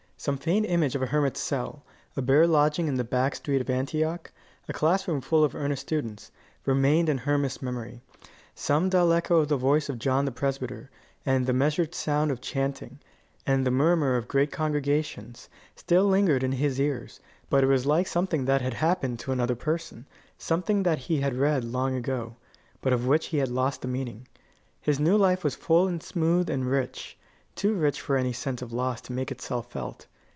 Some faint image of a hermit's cell, a bare lodging in a back street of Antioch, a class room full of earnest students, remained in Hermas' memory. Some dull echo of the voice of John the Presbyter, and the measured sound of chanting, and the murmur of great congregations, still lingered in his ears; but it was like something that had happened to another person, something that he had read long ago, but of which he had lost the meaning. His new life was full and smooth and rich too rich for any sense of loss to make itself felt.